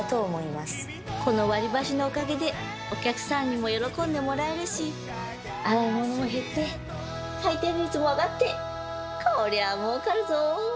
この割り箸のおかげでお客さんにも喜んでもらえるし洗い物も減って回転率も上がってこりゃもうかるぞ！